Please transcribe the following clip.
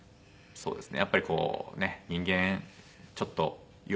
そうですね。